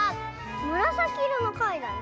むらさきいろのかいだね。